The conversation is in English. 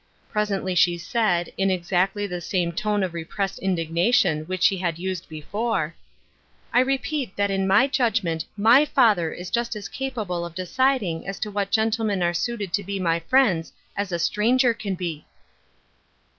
Presently she said, in exactly the same tone of repressed indig nation which she had used before :" I repeat that in my judgment mi/ father is just as capable of deciAng as to what gentlemen are suited to be my friends as a stranger can be."